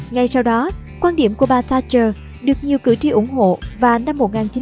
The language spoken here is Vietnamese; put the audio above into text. ngay sau đó quan điểm của bà thatcher được nhiều cử tri ủng hộ vào năm một nghìn chín trăm bảy mươi